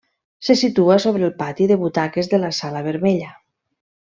Se situa sobre el pati de butaques de la Sala Vermella.